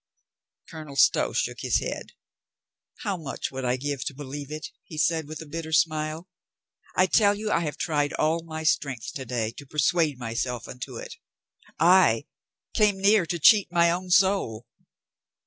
Colonel Stow shook his head. "How much would I give to believe it?" he said with a bitter smile. "I tell you I have tried all my strength to day to persuade myself into it Ay, came near to cheat my own soul."